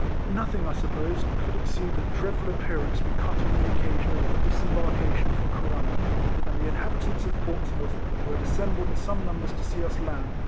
Nothing, I suppose, could exceed the dreadful appearance we cut on the occasion of the disembarkation from Corunna; and the inhabitants of Portsmouth, who had assembled in some numbers to see us land, RIFLEMAN HARKIS.